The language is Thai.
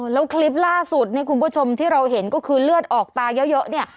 แล้วคลิปล่าสุดเนี่ยคุณผู้ชมที่เราเห็นก็คือเลือดออกตาเยอะเนี่ย